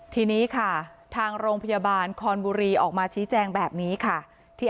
ทีนี้ค่ะทางโรงพยาบาลคอนบุรีออกมาชี้แจงแบบนี้ค่ะ